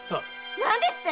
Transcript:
何ですって！？